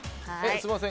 すみません